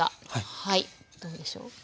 はいどうでしょう？